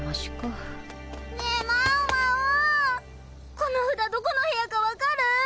この札どこの部屋か分かる？